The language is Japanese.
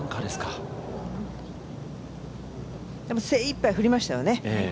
精いっぱい振りましたよね。